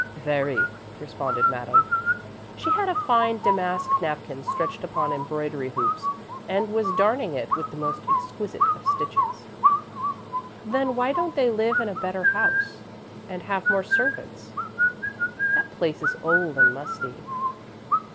"Very," responded Madame. She had a fine damask napkin stretched upon embroidery hoops and was darning it with the most exquisite of stitches. "Then why don't they live in a better house and have more servants? That place is old and musty."